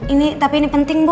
ini tapi ini penting bu